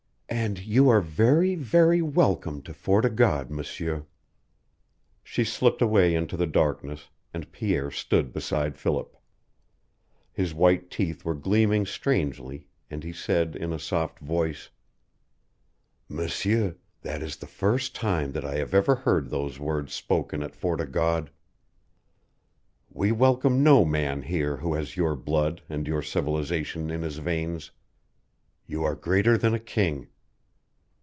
"And you are very, very welcome to Fort o' God, M'sieur." She slipped away into the darkness, and Pierre stood beside Philip. His white teeth were gleaming strangely, and he said in a soft voice: "M'sieur, that is the first time that I have ever heard those words spoken at Fort o' God. We welcome no man here who has your blood and your civilization in his veins. You are greater than a king!"